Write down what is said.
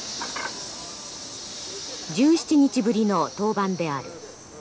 １７日ぶりの登板である。